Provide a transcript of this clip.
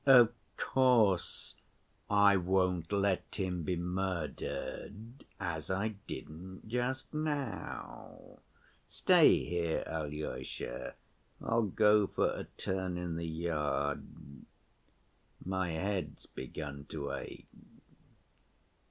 "Of course I won't let him be murdered as I didn't just now. Stay here, Alyosha, I'll go for a turn in the yard. My head's begun to ache."